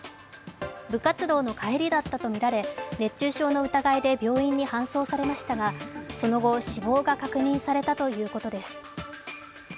部活動の帰りだったとみられ熱中症の疑いで病院に搬送されましたがその後、死亡が確認されたということです。